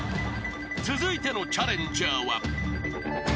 ［続いてのチャレンジャーは］